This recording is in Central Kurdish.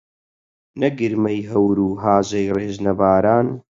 نە گرمەی هەور و هاژەی ڕێژنە باران